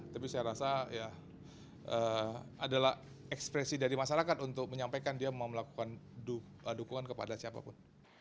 tapi saya rasa ya adalah ekspresi dari masyarakat untuk menyampaikan dia mau melakukan dukungan kepada siapapun